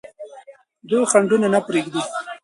دوی خنډونه نه پرېږدي.